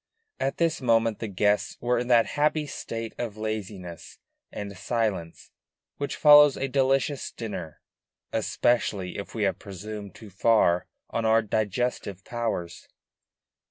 At this moment the guests were in that happy state of laziness and silence which follows a delicious dinner, especially if we have presumed too far on our digestive powers.